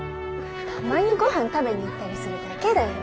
たまにごはん食べに行ったりするだけだよ。